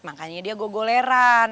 makanya dia go goleran